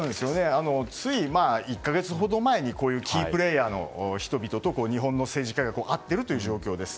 つい１か月ほど前にキープレーヤーの人々と日本の政治家が会っている状況です。